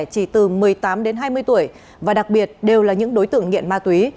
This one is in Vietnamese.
chỉ từ một mươi tám đến hai mươi tuổi và đặc biệt đều là những đối tượng nghiện ma túy